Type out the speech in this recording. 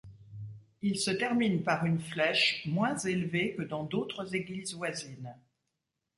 Il se termine par une flèche moins élevée que dans d'autres églises voisines.